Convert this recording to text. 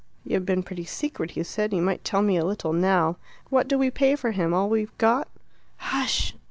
"You have been pretty secret," he said; "you might tell me a little now. What do we pay for him? All we've got?" "Hush!"